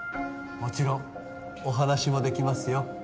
もちろんお話もできますよ